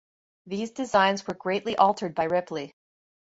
These designs were greatly altered by Ripley.